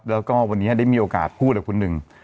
แล้วก็วันนี้ได้มีโอกาสพูดกับคุณหนึ่ง